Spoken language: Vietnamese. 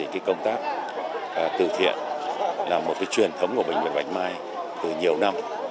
cái công tác từ thiện là một cái truyền thống của bệnh viện bạch mai từ nhiều năm